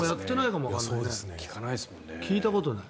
聞いたことない。